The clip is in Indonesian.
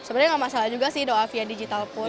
sebenarnya nggak masalah juga sih doa via digital pun